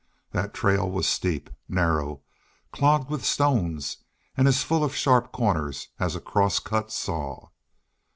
That trail was steep, narrow, clogged with stones, and as full of sharp corners as a crosscut saw.